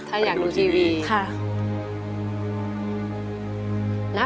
ถ้าอยากดูทีวีค่ะอเรนนี่ค่ะ